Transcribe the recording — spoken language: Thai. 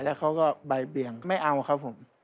แล้วเขาก็ใบเบี่ยงไม่เอาครับผม